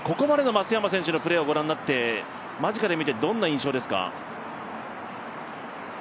ここまでの松山選手のプレーを御覧になって、間近で見てどんな印象ですか。